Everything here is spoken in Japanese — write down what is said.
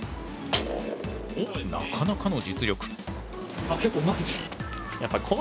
おっなかなかの実力。